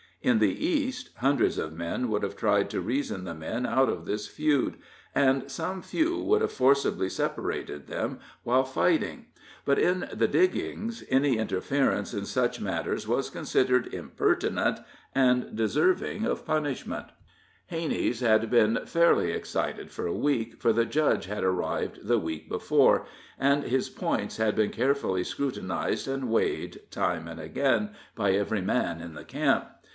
In the East, hundreds of men would have tried to reason the men out of this feud, and some few would have forcibly separated them while fighting; but in the diggings any interference in such matters is considered impertinent, and deserving of punishment. [Illustration: 'THOMPSON GRACEFULLY CONCLUDED HIS SERVICE BY PASSING THE HAT.'] Hanney's had been fairly excited for a week, for the Judge had arrived the week before, and his points had been carefully scrutinized and weighed, time and again, by every man in the camp.